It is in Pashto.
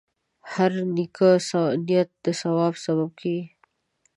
هره نیکه نیت د ثواب سبب کېږي.